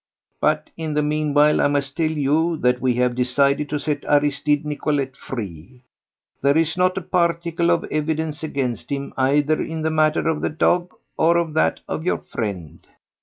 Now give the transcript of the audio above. "But in the meanwhile I must tell you that we have decided to set Aristide Nicolet free. There is not a particle of evidence against him either in the matter of the dog or of that of your friend.